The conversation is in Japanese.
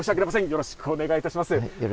よろしくお願いします。